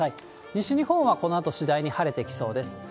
西日本はこのあと、次第に晴れてきそうです。